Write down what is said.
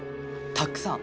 たっくさん。